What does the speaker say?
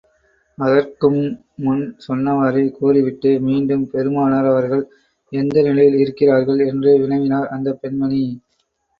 அதற்கும் முன் சொன்னவாறே கூறிவிட்டு, மீண்டும், பெருமானார் அவர்கள் எந்த நிலையில் இருக்கிறார்கள்? என்று வினவினார் அந்தப் பெண்மணி.